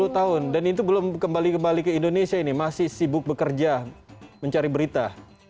sepuluh tahun dan itu belum kembali kembali ke indonesia ini masih sibuk bekerja mencari berita